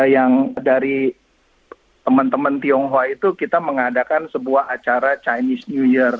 yang dari teman teman tionghoa itu kita mengadakan sebuah acara chinese new year